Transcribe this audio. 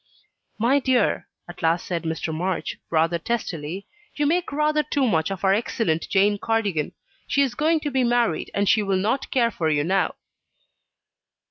"My dear," at last said Mr. March, rather testily, "you make rather too much of our excellent Jane Cardigan. She is going to be married, and she will not care for you now."